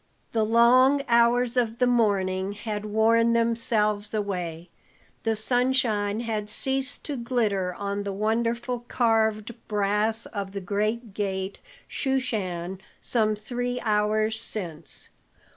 The long hours of the morning had worn themselves away, the sunshine had ceased to glitter on the wonderful carved brass of the great gate Shushan some three hours since.